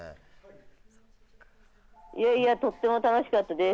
いえいえとっても楽しかったです。